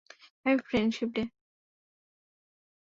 Happy friendship day.